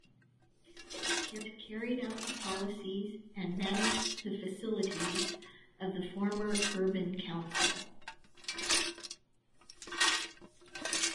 It carried out the policies and managed the facilities of the former Urban Council.